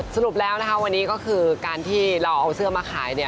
สรุปแล้วนะคะวันนี้ก็คือการที่เราเอาเสื้อมาขายเนี่ย